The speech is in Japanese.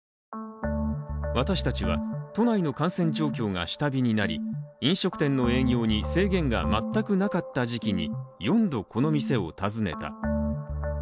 私たちは都内の感染状況が下火になり、飲食店の営業に制限が全くなかった時期に、４度この店を訪ねた。